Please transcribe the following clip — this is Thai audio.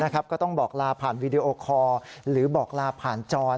ก็ต้องบอกลาผ่านวีดีโอคอร์หรือบอกลาผ่านจอย